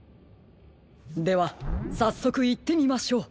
ではさっそくいってみましょう。